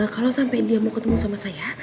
kalau sampai dia mau ketemu sama saya